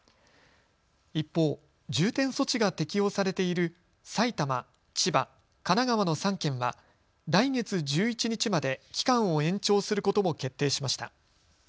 一方、重点措置が適用されている埼玉、千葉、神奈川の３県は来月１１日まで期間を延長することも決定しました。